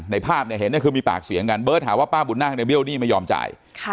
ภาพเนี่ยเห็นคือมีปากเสียงกันเบิร์ตถามว่าป้าบุญนั่งในเบี้ยหนี้ไม่ยอมจ่าย